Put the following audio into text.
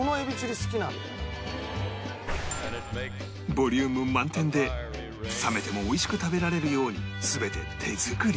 ボリューム満点で冷めても美味しく食べられるように全て手作り